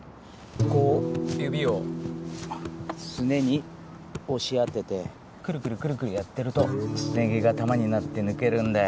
こう指をすねに押し当ててくるくるくるくるやってるとすね毛が玉になって抜けるんだよ。